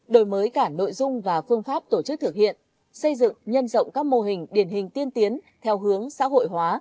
đổi mới cả nội dung và phương pháp tổ chức thực hiện xây dựng nhân rộng các mô hình điển hình tiên tiến theo hướng xã hội hóa